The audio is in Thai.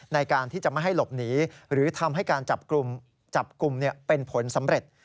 ในการที่จะไม่ให้หลบหนีหรือทำให้การจับกลุ่มเป็นผลสำเร็จ